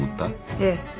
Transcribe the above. ええ。